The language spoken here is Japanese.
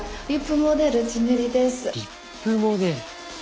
リップモデル！